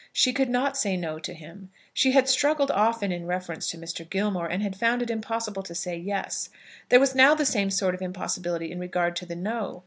She could not say No to him. She had struggled often in reference to Mr. Gilmore, and had found it impossible to say Yes. There was now the same sort of impossibility in regard to the No.